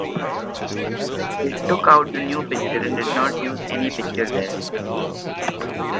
They took out the new picture and did not use any picture there.